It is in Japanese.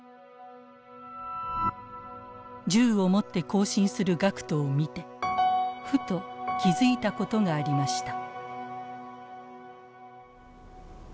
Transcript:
銃を持って行進する学徒を見てふと気付いたことがありました。